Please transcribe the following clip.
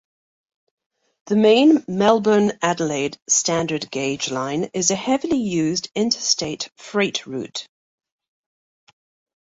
The main Melbourne-Adelaide standard-gauge line is a heavily used interstate freight route.